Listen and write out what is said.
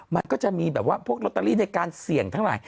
มันก็จะมีแบบว่าพวกลอตเตอรี่ในการเสี่ยงทั้งหลาย